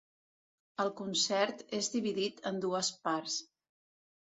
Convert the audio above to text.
El concert és dividit en dues parts.